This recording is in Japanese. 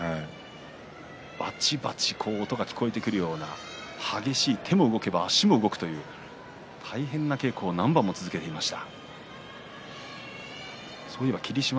バチバチ、音が聞こえてくるような激しい手も動けば足も動く大変な稽古を何番も続けていました。